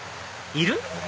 いる？